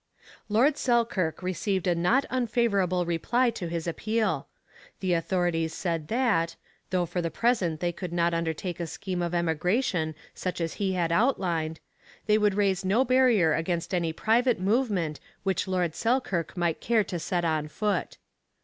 Lord Selkirk received a not unfavourable reply to his appeal. The authorities said that, though for the present they could not undertake a scheme of emigration such as he had outlined, they would raise no barrier against any private movement which Lord Selkirk might care to set on foot.